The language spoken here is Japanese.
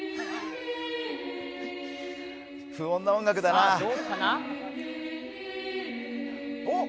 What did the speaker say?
不穏な音楽だな。